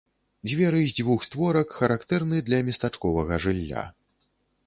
Дзверы з дзвюх створак характэрны для местачковага жылля.